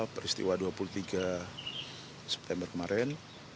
peristiwa dua puluh tiga september kemarin